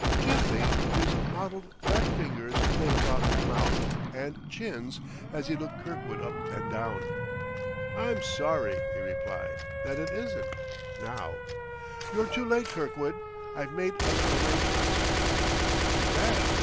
Gently his mottled fat fingers played about his mouth and chins as he looked Kirkwood up and down. "I'm sorry," he replied, "that it isn't now. You're too late, Kirkwood; I've made other arrangements." "Too bad."